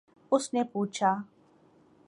اس نے پوچھا